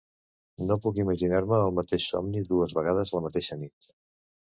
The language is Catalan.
No puc imaginar-me el mateix somni dues vegades la mateixa nit.